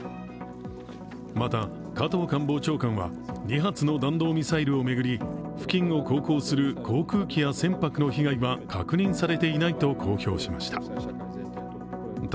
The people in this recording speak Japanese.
また、加藤官房長官は、２発の弾道ミサイルを巡り、付近を航行する航空機や船舶の被害は確認されていないと公表しました。